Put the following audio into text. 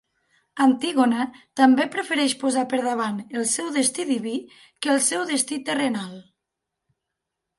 Antígona també prefereix posar per davant el seu destí diví que el seu destí terrenal.